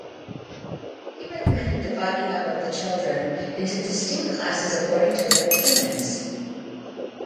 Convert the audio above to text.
He recommended dividing up of the children into distinct classes according to their attainments.